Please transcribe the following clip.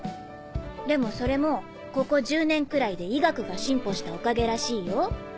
でもそれもここ１０年くらいで医学が進歩したおかげらしいよ。